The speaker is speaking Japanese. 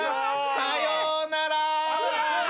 さようなら！